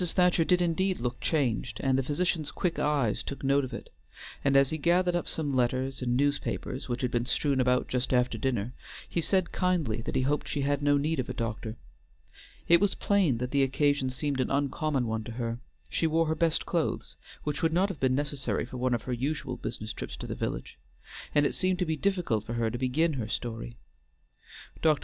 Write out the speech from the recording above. Thacher did indeed look changed, and the physician's quick eyes took note of it, and, as he gathered up some letters and newspapers which had been strewn about just after dinner, he said kindly that he hoped she had no need of a doctor. It was plain that the occasion seemed an uncommon one to her. She wore her best clothes, which would not have been necessary for one of her usual business trips to the village, and it seemed to be difficult for her to begin her story. Dr.